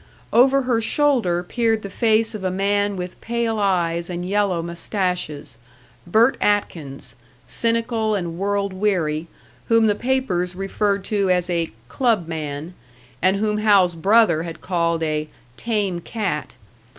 Over her shoulder peered the face of a man with pale eyes and yellow moustaches Bert Atkins, cynical and world weary, whom the papers referred to as a "club man," and whom Hal's brother had called a "tame cat."